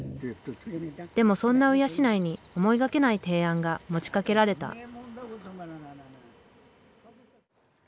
でもそんな鵜養に思いがけない提案が持ちかけられた。